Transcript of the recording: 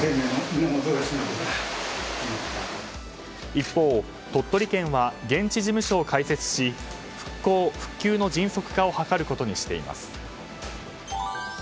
一方、鳥取県は現地事務所を開設し復興、復旧の迅速化を図ることにしています。